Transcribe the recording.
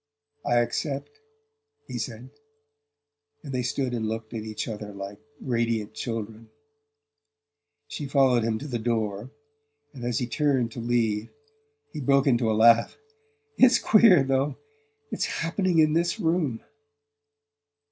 "I accept," he said; and they stood and looked at each other like radiant children. She followed him to the door, and as he turned to leave he broke into a laugh. "It's queer, though, its happening in this room!"